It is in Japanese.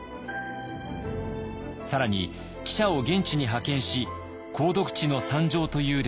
更に記者を現地に派遣し「鉱毒地の惨状」という連載を展開。